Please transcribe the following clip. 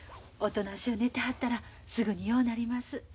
おとなしゅう寝てはったらすぐにようなります。